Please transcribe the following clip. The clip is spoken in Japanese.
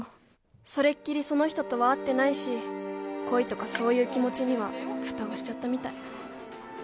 それっきりその人とは会ってないし恋とかそういう気持ちにはフタをしちゃったみたい。